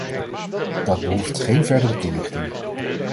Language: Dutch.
Dat behoeft geen verdere toelichting.